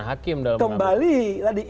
hakim dalam mengaruh kembali